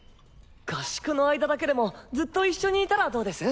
合宿の間だけでもずっと一緒にいたらどうです？